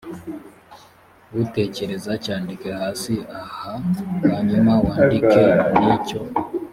utekereza cyandike hasi aha hanyuma wandike n icyo